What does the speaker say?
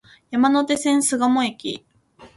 山手線、巣鴨駅